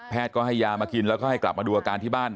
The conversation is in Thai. ก็ให้ยามากินแล้วก็ให้กลับมาดูอาการที่บ้าน